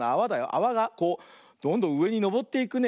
あわがこうどんどんうえにのぼっていくね。